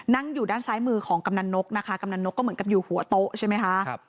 นั่งอยู่ด้านซ้ายมือของกำนันนกนะคะกำนันนกก็เหมือนกับอยู่หัวโต๊ะใช่ไหมคะ